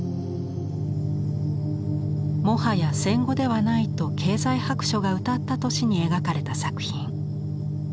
「もはや戦後ではない」と経済白書がうたった年に描かれた作品。